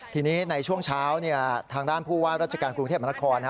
ทีนี้ในช่วงเช้าทางด้านผู้ว่าราชการกรุงเทพมนาคม